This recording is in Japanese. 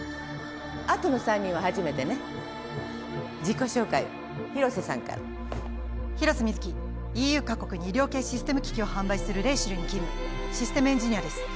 あとの３人は初めてね自己紹介を廣瀬さんから廣瀬瑞稀ＥＵ各国に医療系システム機器を販売するレイシルに勤務システムエンジニアです